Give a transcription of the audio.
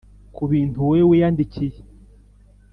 ku bintu wowe wiyandikiye,